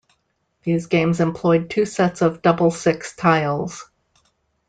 These games employed two sets of "double-six" tiles.